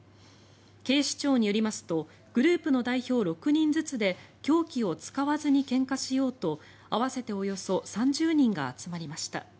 警視庁によりますとグループの代表６人ずつで凶器を使わずにけんかしようと合わせておよそ３０人が集まりました。